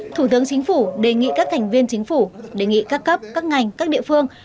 thủ tướng chính phủ đề nghị các thành viên chính phủ đề nghị các cấp các ngành các địa phương